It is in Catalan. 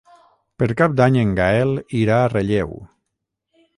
Per Cap d'Any en Gaël irà a Relleu.